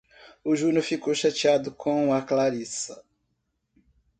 O Júnior ficou chateado com a Clarissa.